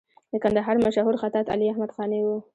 د کندهار مشهور خطاط علي احمد قانع و.